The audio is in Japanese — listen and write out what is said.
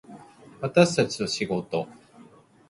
私たちと仕事